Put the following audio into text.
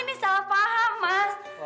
ini salah paham mas